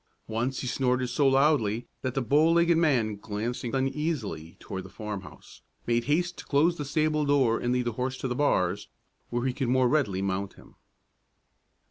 Once he snorted so loudly that the bow legged man, glancing uneasily toward the farmhouse, made haste to close the stable door and lead the horse to the bars, where he could more readily mount him.